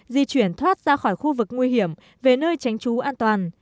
di chuyển thoát ra khỏi khu vực nguy hiểm về nơi tránh trú an toàn